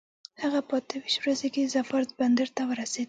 هغه په اته ویشت ورځي کې ظفار بندر ته ورسېد.